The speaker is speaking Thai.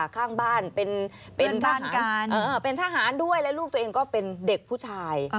ข้างบ้านเป็นบ้านกันเป็นทหารด้วยและลูกตัวเองก็เป็นเด็กผู้ชาย